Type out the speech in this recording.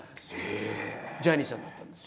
え⁉ジャニーさんだったんです。